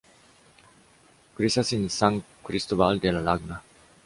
Clarisas in San Cristóbal de La Laguna.